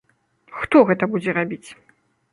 Хто гэта будзе рабіць?